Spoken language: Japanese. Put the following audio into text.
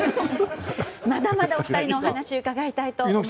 まだまだお二人のお話を伺いたいと思います。